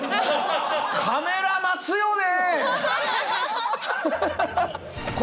カメラ待つよね！